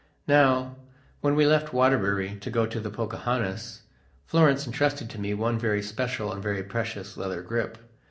Now, when we left Waterbury to go to the "Pocahontas", Florence entrusted to me one very special and very precious leather grip.